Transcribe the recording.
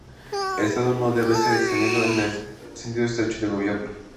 El estado no debe ser entendido en el sentido estrecho de gobierno.